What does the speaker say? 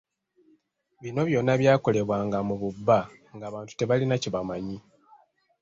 Bino byonna byakolebwanga mu bubba nga abantu tebalina kyebamanyi.